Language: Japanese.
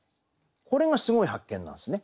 これがすごい発見なんですね。